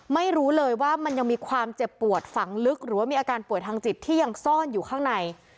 ไม่รู้เลยว่ามันยังมีความเจ็บปวดฝังลึกหรือว่ามีอาการป่วยทางจิตที่ยังซ่อนอยู่ข้างใน